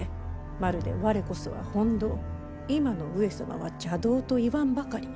まるで「われこそは本道今の上様は邪道」と言わんばかり。